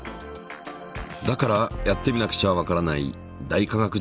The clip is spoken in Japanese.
だからやってみなくちゃわからない「大科学実験」で。